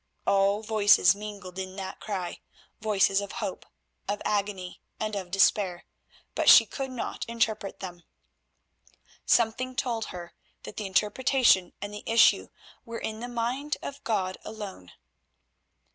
All voices mingled in that cry—voices of hope, of agony, and of despair; but she could not interpret them. Something told her that the interpretation and the issue were in the mind of God alone.